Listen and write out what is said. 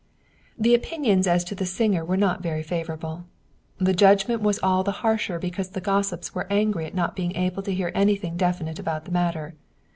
The opinions as to the singer were not very favorable. The judgment was all the harsher because the gossips were angry at not being able to hear anything definite about the matter.